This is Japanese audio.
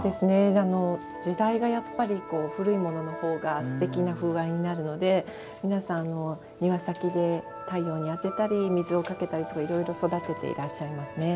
時代が古いものの方がすてきな風合いになるので皆さん庭先で太陽に当てたり水をかけたり、いろいろ育てていらっしゃいますね。